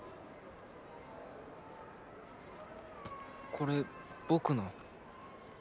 これ僕の。